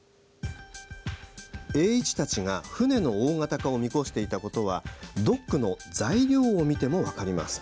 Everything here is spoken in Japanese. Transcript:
栄一たちが船の大型化を見越していたことはドックの材料を見ても分かります。